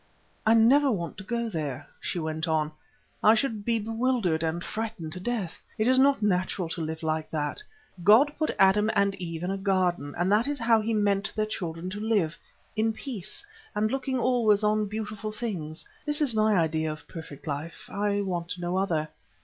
"I never want to go there," she went on; "I should be bewildered and frightened to death. It is not natural to live like that. God put Adam and Eve in a garden, and that is how he meant their children to live—in peace, and looking always on beautiful things. This is my idea of perfect life. I want no other."